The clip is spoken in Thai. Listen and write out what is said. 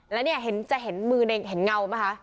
แล้วจะเห็นมือเห็นเงาไหมคะ